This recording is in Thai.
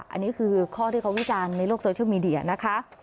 อันนี้คือข้อที่เขาวิจารณ์ในโลกโซเชียลมีเดียนะคะ